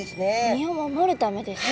身を守るためですか？